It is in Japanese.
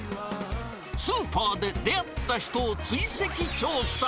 スーパーで出会った人を追跡調査。